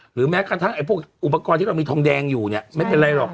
แม้กระทั่งไอ้พวกอุปกรณ์ที่เรามีทองแดงอยู่เนี่ยไม่เป็นไรหรอก